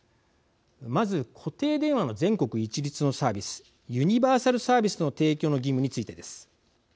まず、固定電話の全国一律のサービスユニバーサルサービスの提供の義務についてです。